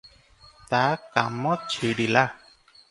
ତା କାମ ଛିଡ଼ିଲା ।